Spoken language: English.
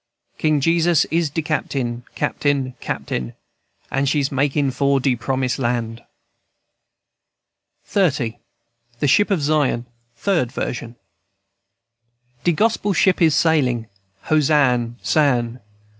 King Jesus is de captain, captain, captain, And she's makin' for de Promise Land." XXX. THE SHIP OF ZION. (Third version.) "De Gospel ship is sailin', Hosann sann.